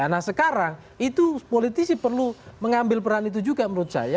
nah sekarang itu politisi perlu mengambil peran itu juga menurut saya